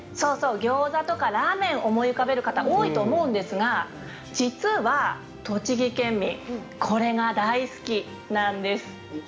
ギョーザとかラーメン思い浮かべる方多いと思うんですが実は、栃木県民これが大好きなんです。